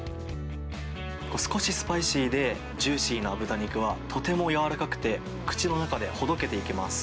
少しスパイシーでジューシーな豚肉はとても柔らかくて、口の中でほどけていきます。